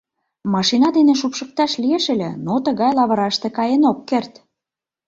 Машина дене шупшыкташ лиеш ыле, но тыгай лавыраште каен ок керт».